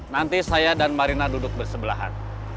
nanti saya dan marina duduk bersebelahan